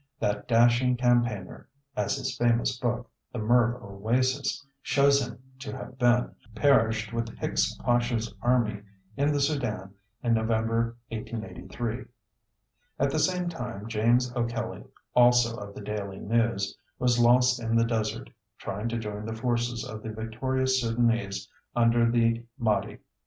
That dashing campaigner as his famous book, The Merv Oasis, shows him to have been perished with Hicks Pasha's Army in the Sudan in November, 1883. At the same time James O'Kelly, also of the Daily News, was lost in the desert, trying to join the forces of the victorious Sudanese under the Madhi.